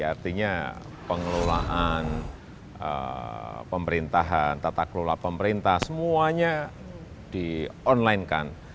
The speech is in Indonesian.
artinya pengelolaan pemerintahan tata kelola pemerintah semuanya di online kan